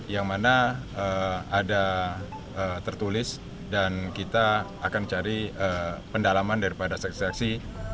yang mana ada tertulis dan kita akan cari pendalaman daripada saksi saksi